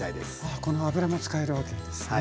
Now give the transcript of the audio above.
あこの油も使えるわけなんですね。